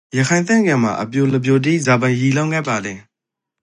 ရခိုင်သင်္ကြန်မှာအပျိူလူပျိုတိဇာပိုင် ရီလောင်းကတ်ပါလေ?